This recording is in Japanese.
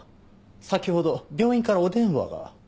先ほど病院からお電話が。